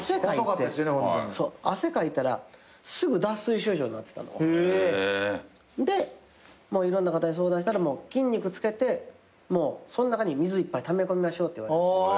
汗かいたらすぐ脱水症状になってたの。でいろんな方に相談したら筋肉つけてその中に水いっぱいため込みましょうっていわれて。